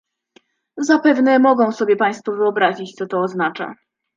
Zapewne mogą sobie państwo wyobrazić, co to oznacza